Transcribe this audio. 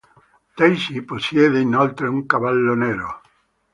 Daisy possiede inoltre un cavallo nero.